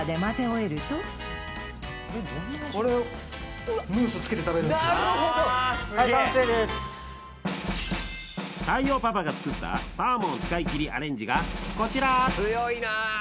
これをはい太陽パパが作ったサーモン使い切りアレンジがこちら！